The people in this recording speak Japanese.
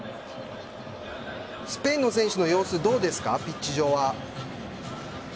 スペインの選手の様子どうですか、ピッチ上は。